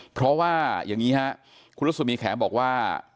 เพราะว่าอย่างนี้ครับคุณรสมีแขมบอกว่า